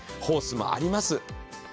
ホースもあります。